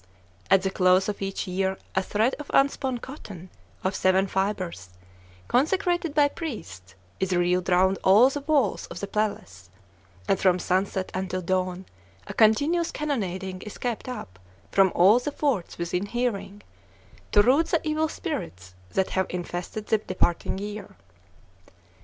At the close of each year, a thread of unspun cotton, of seven fibres, consecrated by priests, is reeled round all the walls of the palace; and from sunset until dawn a continuous cannonading is kept up from all the forts within hearing, to rout the evil spirits that have infested the departing year.